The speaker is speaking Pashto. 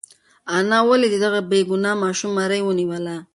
انا ولې د دغه بېګناه ماشوم مرۍ ونیوله؟